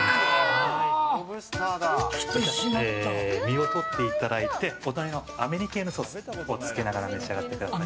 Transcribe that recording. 身をとっていただいてアメリケーヌソースをつけながら召し上がってください。